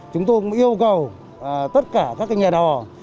chúng tôi yêu cầu tất cả các nhà đò